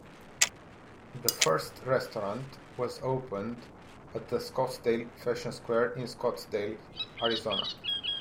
The first restaurant was opened at the Scottsdale Fashion Square in Scottsdale, Arizona.